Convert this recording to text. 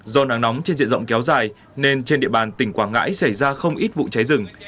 do nắng nóng trên diện rộng kéo dài nên trên địa bàn tỉnh quảng ngãi xảy ra không ít vụ cháy rừng